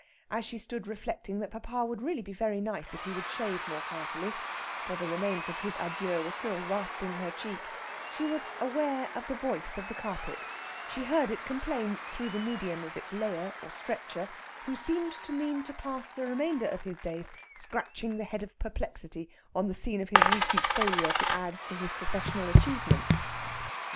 As she stood reflecting that papa would really be very nice if he would shave more carefully for the remains of his adieu was still rasping her cheek she was aware of the voice of the carpet; she heard it complain, through the medium of its layer, or stretcher, who seemed to mean to pass the remainder of his days scratching the head of perplexity on the scene of his recent failure to add to his professional achievements.